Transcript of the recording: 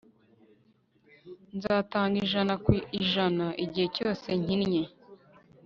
nzatanga ijana ku ijana igihe cyose nkinnye